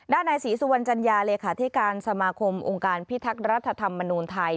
นายศรีสุวรรณจัญญาเลขาธิการสมาคมองค์การพิทักษ์รัฐธรรมนูลไทย